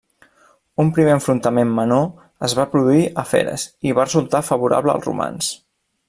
Un primer enfrontament menor es va produir a Feres, i va resultar favorable als romans.